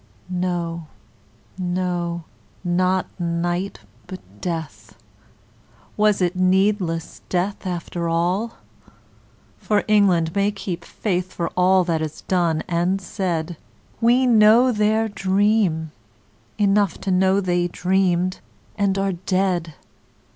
No, no, not night but death; Was it needless death after all? For England may keep faith For all that is done and said. We know their dream; enough To know they dreamed and are dead.